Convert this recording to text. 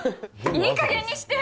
いいかげんにして。